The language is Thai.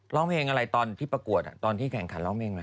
ร้องเพลงอะไรตอนที่ประกวดตอนที่แข่งขันร้องเพลงเหรอ